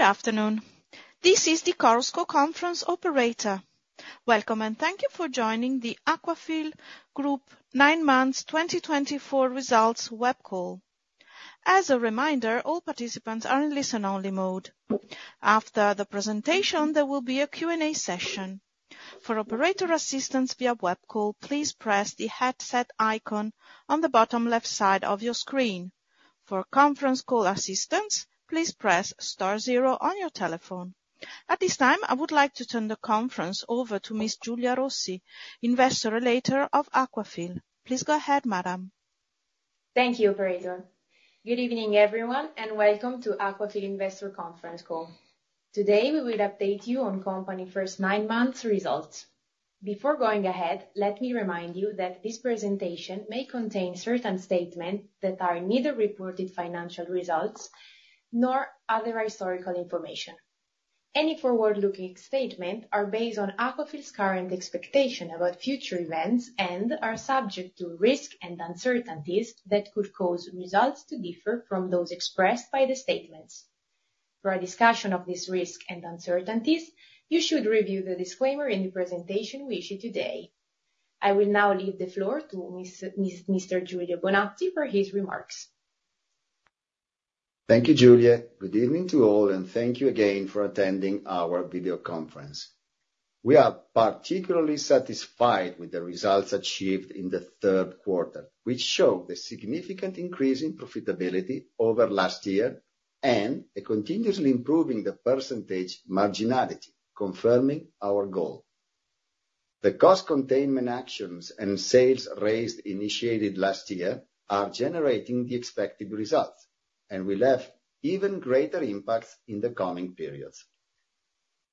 Good afternoon. This is the Chorus Call conference operator. Welcome, and thank you for joining the Aquafil Group nine months 2024 results web call. As a reminder, all participants are in listen-only mode. After the presentation, there will be a Q&A session. For operator assistance via web call, please press the headset icon on the bottom left side of your screen. For conference call assistance, please press star zero on your telephone. At this time, I would like to turn the conference over to Ms. Giulia Rossi, Investor Relator of Aquafil. Please go ahead, madam. Thank you, operator. Good evening, everyone, and welcome to Aquafil Investor Conference Call. Today, we will update you on company first nine months results. Before going ahead, let me remind you that this presentation may contain certain statements that are neither reported financial results nor other historical information. Any forward-looking statement are based on Aquafil's current expectation about future events and are subject to risks and uncertainties that could cause results to differ from those expressed by the statements. For a discussion of this risk and uncertainties, you should review the disclaimer in the presentation we issued today. I will now leave the floor to Mr. Giulio Bonazzi for his remarks. Thank you, Giulia. Good evening to all, and thank you again for attending our video conference. We are particularly satisfied with the results achieved in the third quarter, which show the significant increase in profitability over last year and a continuously improving the percentage marginality, confirming our goal. The cost containment actions and sales raised, initiated last year, are generating the expected results, and will have even greater impacts in the coming periods.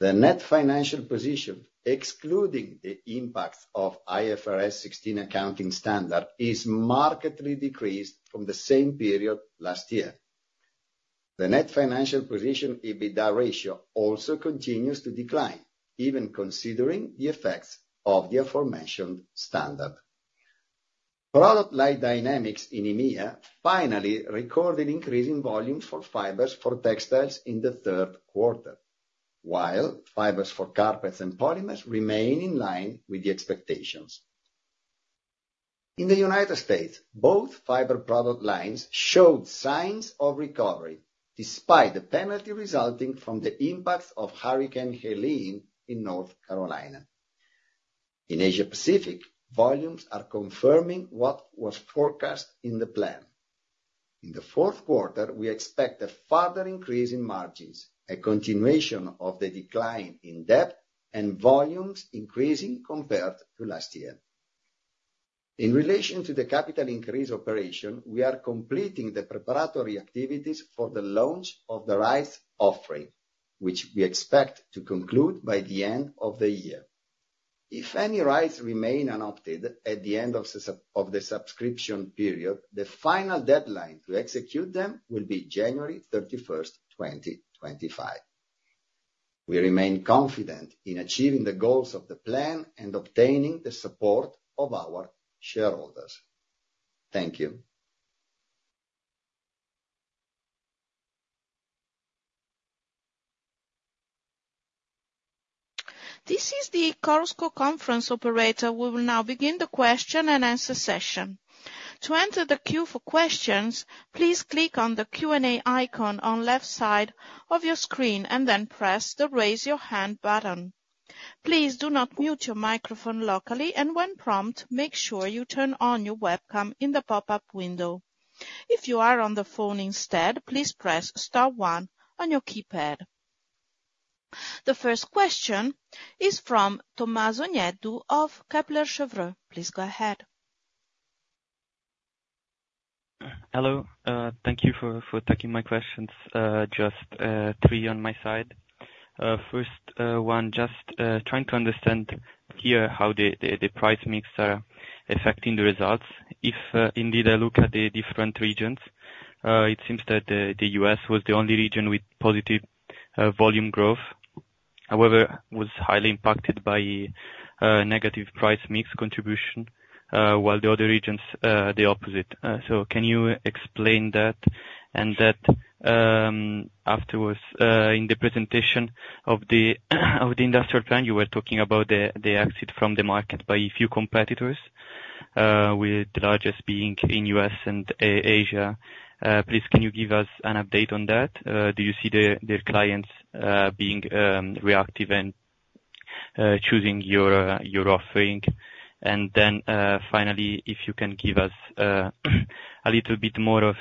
The net financial position, excluding the impacts of IFRS 16 accounting standard, is markedly decreased from the same period last year. The net financial position, EBITDA ratio also continues to decline, even considering the effects of the aforementioned standard. Product line dynamics in EMEA finally recorded increasing volumes for fibers for textiles in the third quarter, while fibers for carpets and polymers remain in line with the expectations. In the U.S., both fiber product lines showed signs of recovery, despite the penalty resulting from the impacts of Hurricane Helene in North Carolina. In Asia Pacific, volumes are confirming what was forecast in the plan. In the fourth quarter, we expect a further increase in margins, a continuation of the decline in debt, and volumes increasing compared to last year. In relation to the capital increase operation, we are completing the preparatory activities for the launch of the rights offering, which we expect to conclude by the end of the year. If any rights remain unopted at the end of the subscription period, the final deadline to execute them will be January 31st, 2025. We remain confident in achieving the goals of the plan and obtaining the support of our shareholders. Thank you. This is the Chorus Call conference operator. We will now begin the question-and-answer session. To enter the queue for questions, please click on the Q&A icon on left side of your screen, then press the raise your hand button. Please do not mute your microphone locally, and when prompt, make sure you turn on your webcam in the pop-up window. If you are on the phone instead, please press star one on your keypad. The first question is from Tommaso Gnudi of Kepler Cheuvreux. Please go ahead. Hello. Thank you for taking my questions. Just three on my side. First one, just trying to understand here how the price mix are affecting the results. If indeed I look at the different regions, it seems that the U.S. was the only region with positive volume growth. However, was highly impacted by negative price mix contribution, while the other regions are the opposite. Can you explain that? That, afterwards, in the presentation of the industrial plan, you were talking about the exit from the market by a few competitors, with the largest being in U.S. and Asia. Please, can you give us an update on that? Do you see their clients being reactive and choosing your offering? Finally, if you can give us a little bit more of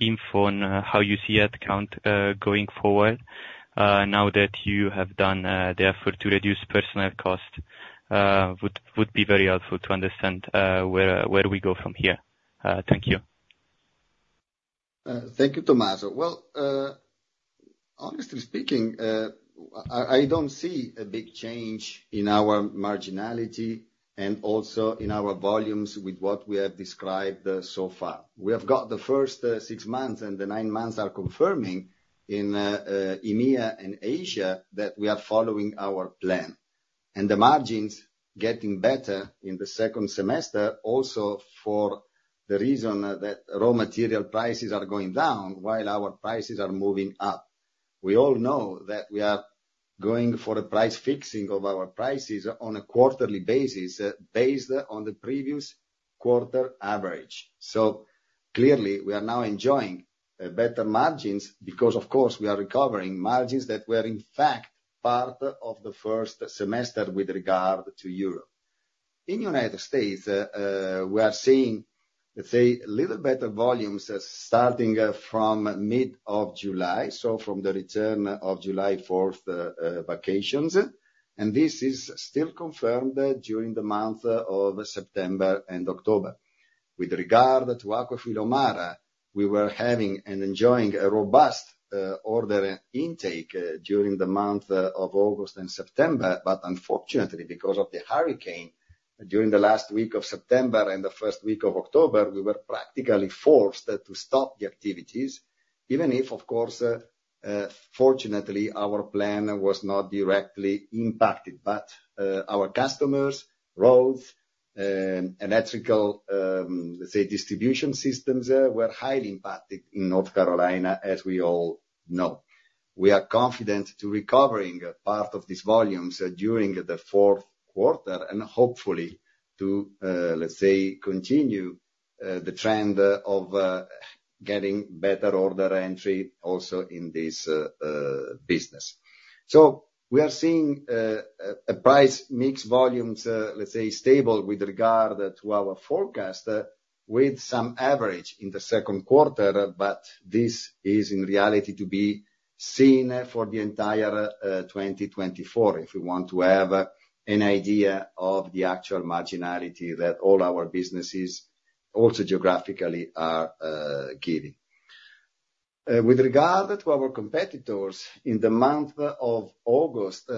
info on how you see headcount going forward, now that you have done the effort to reduce personnel cost would be very helpful to understand where do we go from here. Thank you. Thank you, Tommaso. Well, honestly speaking, I don't see a big change in our marginality and also in our volumes with what we have described so far. We have got the first six months, and the nine months are confirming in EMEA and Asia that we are following our plan. The margins getting better in the second semester also for the reason that raw material prices are going down while our prices are moving up. We all know that we are going for a price fixing of our prices on a quarterly basis, based on the previous quarter average. Clearly, we are now enjoying better margins because, of course, we are recovering margins that were, in fact, part of the first semester with regard to Europe. In United States, we are seeing, let's say, a little better volumes starting from mid of July, so from the return of July 4th vacations, and this is still confirmed during the month of September and October. With regard to Aquafil USA, we were having and enjoying a robust order intake during the month of August and September. Unfortunately, because of the Hurricane during the last week of September and the first week of October, we were practically forced to stop the activities, even if, of course, fortunately, our plant was not directly impacted. Our customers' roads and electrical, let's say, distribution systems were highly impacted in North Carolina, as we all know. We are confident to recovering part of these volumes during the fourth quarter and hopefully to, let's say, continue the trend of getting better order entry also in this business. We are seeing a price-mix volumes, let's say, stable with regard to our forecast with some average in the second quarter, This is in reality to be seen for the entire 2024, if we want to have an idea of the actual marginality that all our businesses also geographically are giving. With regard to our competitors, in the month of August,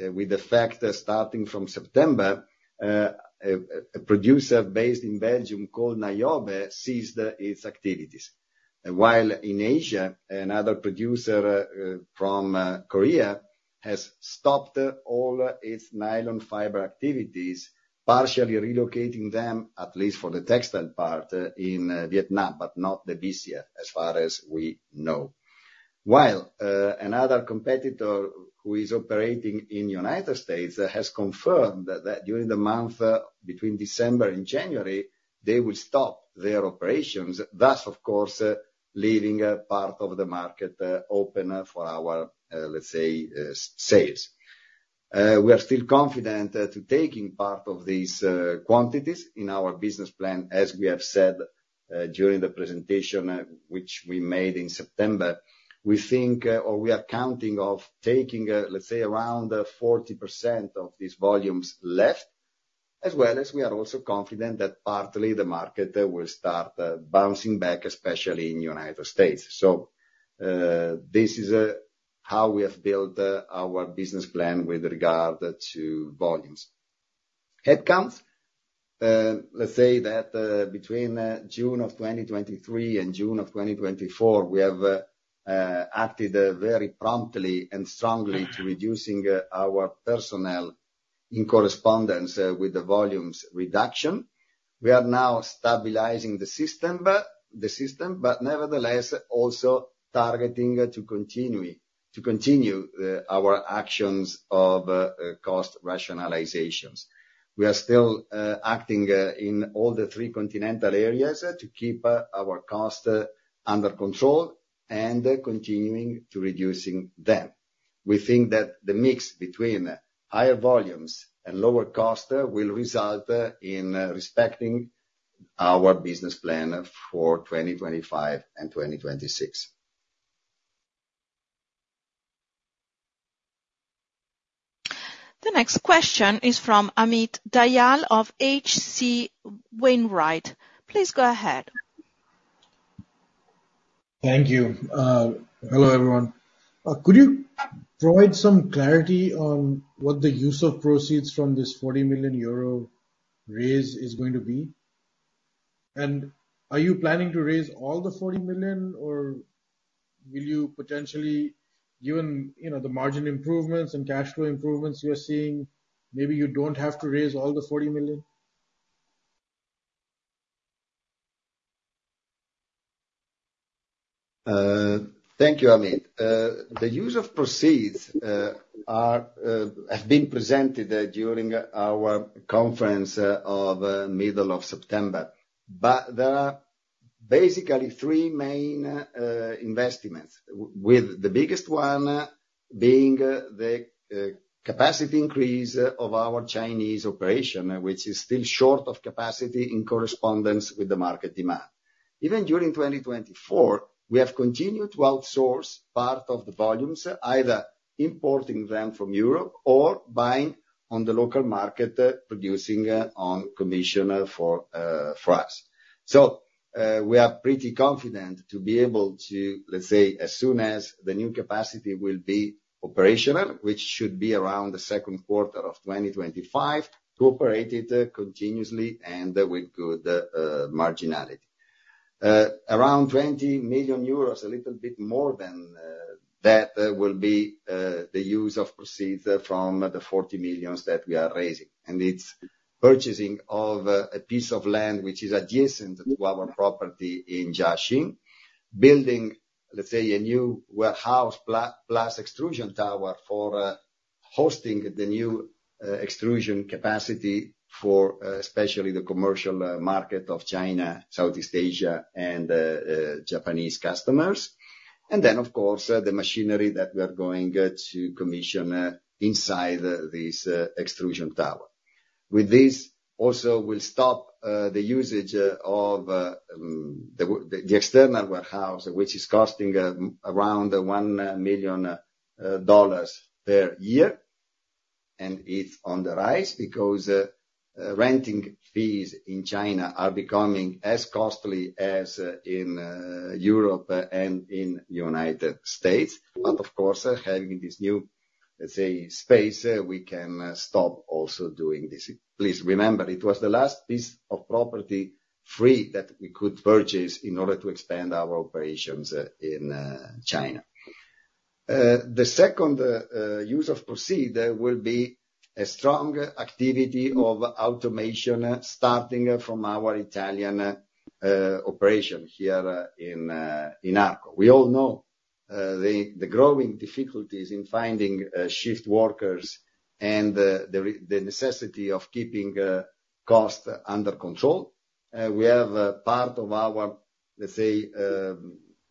with effect starting from September, a producer based in Belgium called Nyobe ceased its activities. In Asia, another producer from Korea has stopped all its nylon fiber activities, partially relocating them, at least for the textile part, in Vietnam, but not the BCF, as far as we know. Another competitor who is operating in United States has confirmed that during the month between December and January, they will stop their operations, thus, of course, leaving part of the market open for our, let's say, sales. We are still confident to taking part of these quantities in our business plan. As we have said during the presentation which we made in September, we think or we are counting of taking, let's say, around 40% of these volumes left, as well as we are also confident that partly the market will start bouncing back, especially in United States. This is how we have built our business plan with regard to volumes. Headcounts, let's say that between June of 2023 and June of 2024, we have acted very promptly and strongly to reducing our personnel in correspondence with the volumes reduction. We are now stabilizing the system, nevertheless, also targeting to continue our actions of cost rationalizations. We are still acting in all the three continental areas to keep our cost under control and continuing to reducing them. We think that the mix between higher volumes and lower cost will result in respecting our business plan for 2025 and 2026. The next question is from Amit Dayal of H.C. Wainwright. Please go ahead. Thank you. Hello, everyone. Could you provide some clarity on what the use of proceeds from this 40 million euro raise is going to be? Are you planning to raise all the 40 million, or will you potentially, given the margin improvements and cash flow improvements you are seeing, maybe you do not have to raise all the 40 million? Thank you, Amit. The use of proceeds have been presented during our conference of middle of September. There are basically three main investments, with the biggest one being the capacity increase of our Chinese operation, which is still short of capacity in correspondence with the market demand. Even during 2024, we have continued to outsource part of the volumes, either importing them from Europe or buying on the local market, producing on commission for us. We are pretty confident to be able to, let's say, as soon as the new capacity will be operational, which should be around the second quarter of 2025, to operate it continuously and with good marginality. Around 20 million euros, a little bit more than that will be the use of proceeds from the 40 million that we are raising. It's purchasing of a piece of land which is adjacent to our property in Jiaxing, building, let's say, a new warehouse plus extrusion tower for hosting the new extrusion capacity for especially the commercial market of China, Southeast Asia, and Japanese customers. Then, of course, the machinery that we are going to commission inside this extrusion tower. With this, also we will stop the usage of the external warehouse, which is costing around $1 million per year. It's on the rise because renting fees in China are becoming as costly as in Europe and in U.S. Of course, having this new, let's say, space, we can stop also doing this. Please remember, it was the last piece of property free that we could purchase in order to expand our operations in China. The second use of proceed will be a strong activity of automation, starting from our Italian operation here in Arco. We all know the growing difficulties in finding shift workers and the necessity of keeping cost under control. We have a part of our, let's say,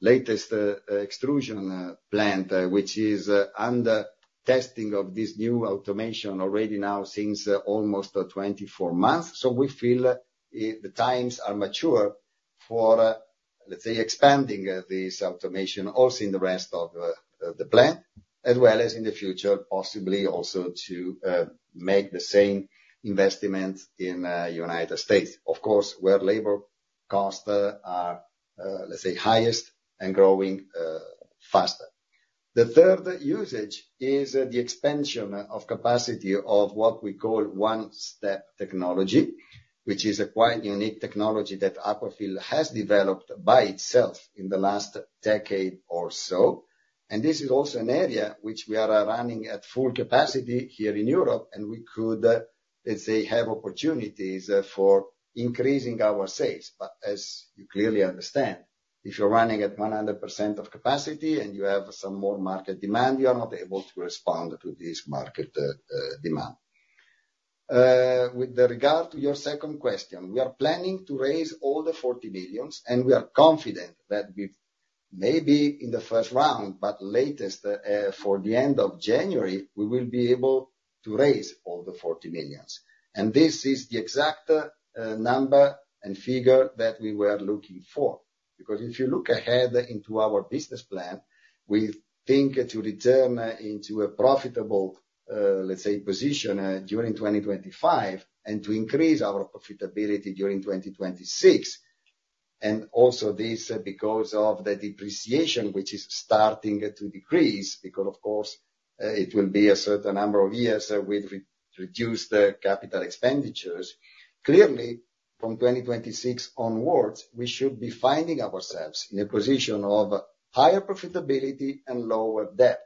latest extrusion plant, which is under testing of this new automation already now since almost 24 months. We feel the times are mature for, let's say, expanding this automation also in the rest of the plant, as well as in the future, possibly also to make the same investment in United States, of course, where labor costs are, let's say, highest and growing faster. The third usage is the expansion of capacity of what we call One Step Technology, which is a quite unique technology that Aquafil has developed by itself in the last decade or so. This is also an area which we are running at full capacity here in Europe, and we could, let's say, have opportunities for increasing our sales. As you clearly understand, if you're running at 100% of capacity and you have some more market demand, you are not able to respond to this market demand. With regard to your second question, we are planning to raise all the 40 million, and we are confident that maybe in the first round, but latest for the end of January, we will be able to raise all the 40 million. This is the exact number and figure that we were looking for. If you look ahead into our business plan, we think to return into a profitable, let's say, position during 2025, and to increase our profitability during 2026. Also this because of the depreciation, which is starting to decrease because, of course, it will be a certain number of years with reduced capital expenditures. Clearly, from 2026 onwards, we should be finding ourselves in a position of higher profitability and lower debt.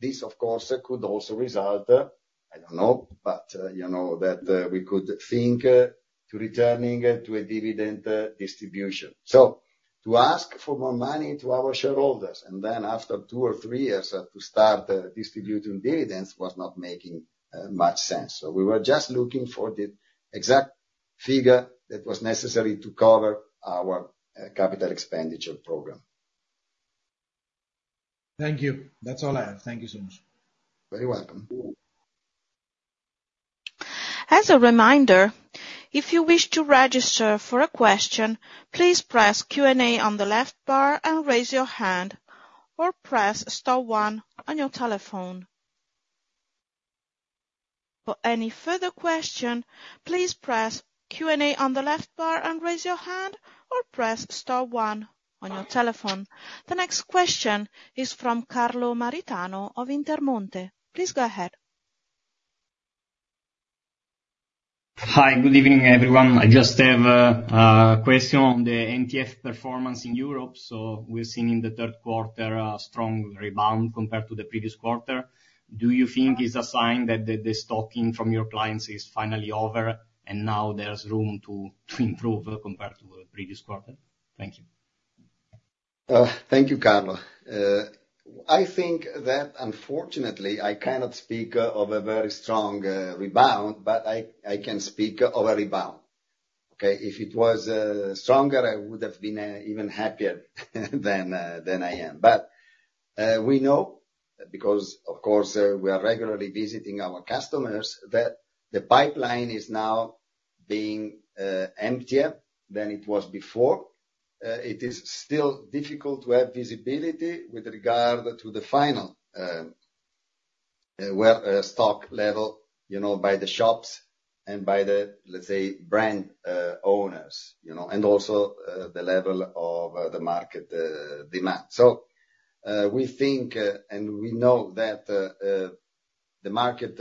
This, of course, could also result, I don't know, but you know that we could think to returning to a dividend distribution. To ask for more money to our shareholders, and then after two or three years to start distributing dividends was not making much sense. We were just looking for the exact figure that was necessary to cover our capital expenditure program. Thank you. That's all I have. Thank you so much. Very welcome. As a reminder, if you wish to register for a question, please press Q&A on the left bar and raise your hand, or press star one on your telephone. For any further question, please press Q&A on the left bar and raise your hand, or press star one on your telephone. The next question is from Carlo Maritano of Intermonte. Please go ahead. Hi. Good evening, everyone. I just have a question on the NTF performance in Europe. We're seeing in the third quarter a strong rebound compared to the previous quarter. Do you think it's a sign that the stocking from your clients is finally over, and now there's room to improve compared to the previous quarter? Thank you. Thank you, Carlo. I think that unfortunately I cannot speak of a very strong rebound, but I can speak of a rebound. Okay. If it was stronger, I would have been even happier than I am. We know because, of course, we are regularly visiting our customers, that the pipeline is now being emptier than it was before. It is still difficult to have visibility with regard to the final stock level by the shops and by the, let's say, brand owners. Also the level of the market demand. We think, and we know that the market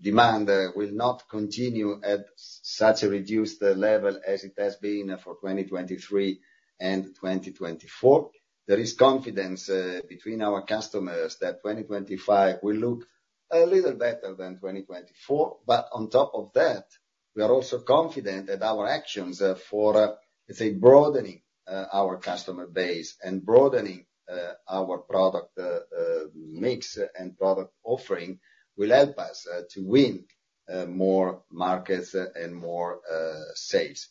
demand will not continue at such a reduced level as it has been for 2023 and 2024. There is confidence between our customers that 2025 will look a little better than 2024. On top of that, we are also confident that our actions for broadening our customer base and broadening our product mix and product offering will help us to win more markets and more sales.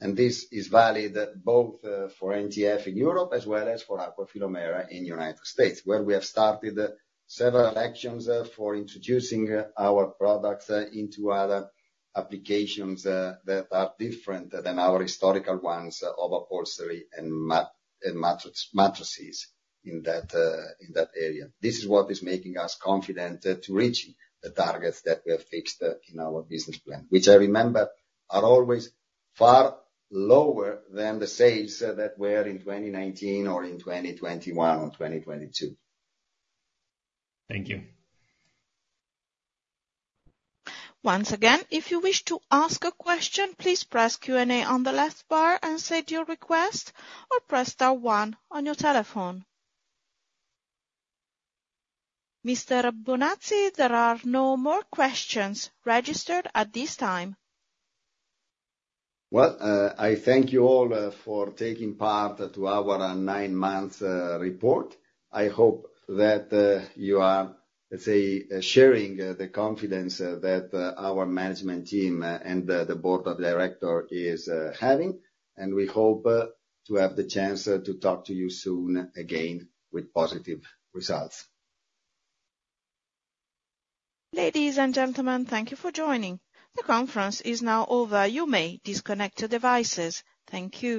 This is valid both for NTF in Europe as well as for Aquafil USA in the U.S., where we have started several actions for introducing our products into other applications that are different than our historical ones of upholstery and mattresses in that area. This is what is making us confident to reaching the targets that we have fixed in our business plan. Which I remember are always far lower than the sales that were in 2019 or in 2021 or 2022. Thank you. Once again, if you wish to ask a question, please press Q&A on the left bar and state your request or press star one on your telephone. Mr. Bonazzi, there are no more questions registered at this time. Well, I thank you all for taking part to our nine-month report. I hope that you are sharing the confidence that our management team and the Board of Directors is having. We hope to have the chance to talk to you soon again with positive results. Ladies and gentlemen, thank you for joining. The conference is now over. You may disconnect your devices. Thank you.